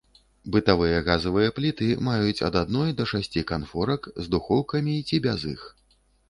Бытавыя газавыя пліты маюць ад адной да шасці канфорак, з духоўкамі ці без іх.